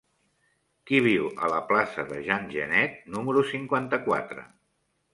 Qui viu a la plaça de Jean Genet número cinquanta-quatre?